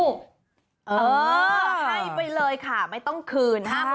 เขาให้ไปเลยค่ะไม่ต้องคืน